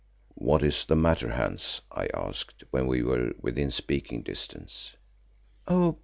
"What is the matter, Hans?" I asked when we were within speaking distance. "Oh!